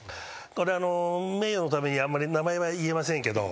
これ名誉のためにあんまり名前は言えませんけど。